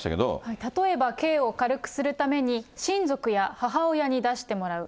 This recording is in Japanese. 例えば、刑を軽くするために親族や母親に出してもらう。